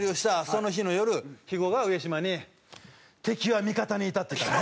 その日の夜肥後が上島に「敵は味方にいた」って言った。